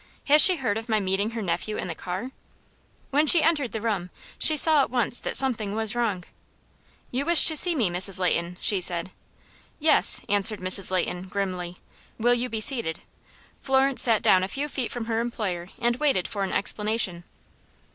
"Has she heard of my meeting her nephew in the car?" When she entered the room she saw at once that something was wrong. "You wished to see me, Mrs. Leighton?" she said. "Yes," answered Mrs. Leighton, grimly. "Will you be seated?" Florence sat down a few feet from her employer and waited for an explanation.